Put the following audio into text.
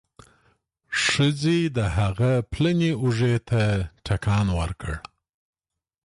ښځې د هغه پلنې اوږې ته ټکان ورکړ.